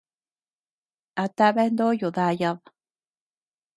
¿A tabea ndoyo dayad?